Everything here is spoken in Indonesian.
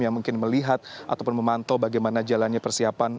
yang mungkin melihat ataupun memantau bagaimana jalannya persiapan